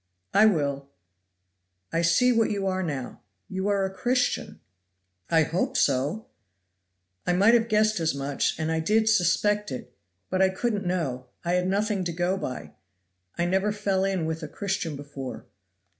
"I will; I see what you are now you are a Christian." "I hope so!" "I might have guessed as much, and I did suspect it; but I couldn't know, I had nothing to go by. I never fell in with a Christian before."